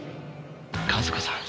和子さん。